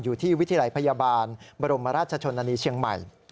วิทยาลัยพยาบาลบรมราชชนนานีเชียงใหม่